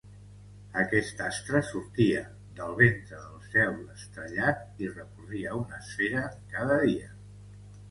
Aquest astre sortia del ventre del cel estrellat i recorria una esfera cada dia.